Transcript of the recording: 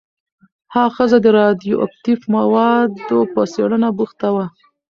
هغه ښځه د راډیواکټیف موادو په څېړنه بوخته وه.